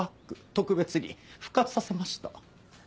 特別に復活させました。